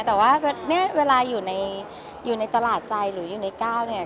แต่เวลาอยู่ในตลาดใจหรืออยู่ในก้าวเนี่ย